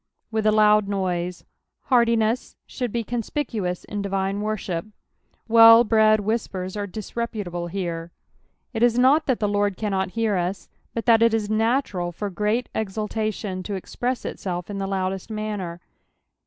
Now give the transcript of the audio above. " With a hud noite." Q^rtiness should be conspicuous in divine worshi'^ Well bred whispers are disreputable here. It is not that the Lord cannonifsr us, but that it is natural fur great einltation to express itself in the loudest manner.